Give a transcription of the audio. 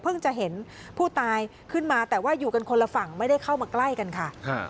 จะเห็นผู้ตายขึ้นมาแต่ว่าอยู่กันคนละฝั่งไม่ได้เข้ามาใกล้กันค่ะ